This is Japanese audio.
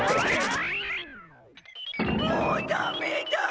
もうダメだ。